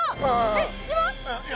えっ島？